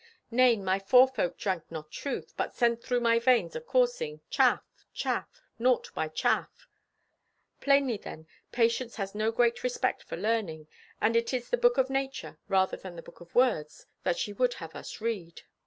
Nay, my forefolk drank not truth, but sent through my veins acoursing, chaff, chaff, naught by chaff." Plainly, then, Patience has no great respect for learning, and it is the book of Nature rather than the book of words that she would have us read.